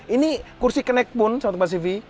ini kursi connect pun sama tukang sivi